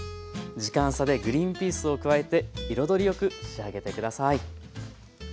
時間差でグリンピースを加えて彩りよく仕上げて下さい。